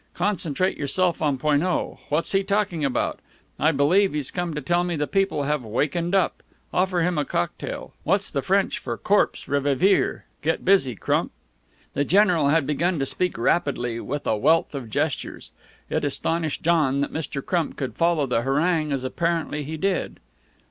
Concentrate yourself on Poineau. What's he talking about? I believe he's come to tell me the people have wakened up. Offer him a cocktail. What's the French for corpse reviver? Get busy, Crump." The general had begun to speak rapidly, with a wealth of gestures. It astonished John that Mr. Crump could follow the harangue as apparently he did.